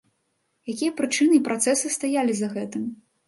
Якія прычыны і працэсы стаялі за гэтым?